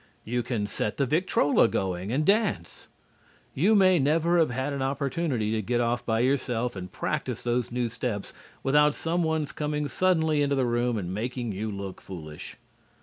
You can set the victrola going and dance. You may never have had an opportunity to get off by yourself and practice those new steps without someone's coming suddenly into the room and making you look foolish.